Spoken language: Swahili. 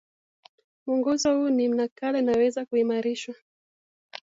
Mwongozo huu ni nakala inayoweza kuimarishwa